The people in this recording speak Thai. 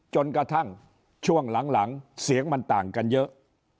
จนกระทั่งช่วงหลังเสียงมันต่างกันเยอะ